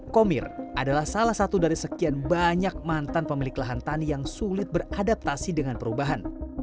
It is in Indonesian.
komir adalah salah satu dari sekian banyak mantan pemilik lahan tani yang sulit beradaptasi dengan perubahan